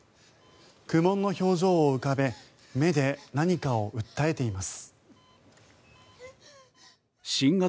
苦もんの表情を浮かべ目で何かを訴えています。